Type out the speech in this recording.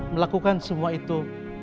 melakukan semua itu